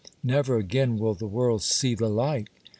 Never again will the world see the like